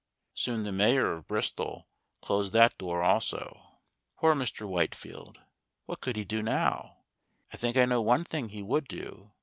Soon the mayor of Bristol closed that door also. Poor Mr. Whitefield! what could he do now? I think I know one thing he would do.